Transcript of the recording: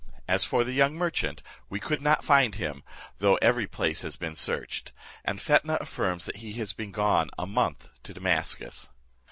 As for the young merchant, we could not find him, though every place has been searched, and Fetnah affirms that he has been gone a month to Damascus."